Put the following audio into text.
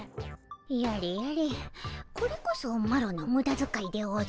やれやれこれこそマロのムダづかいでおじゃる。